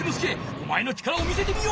おまえの力を見せてみよ！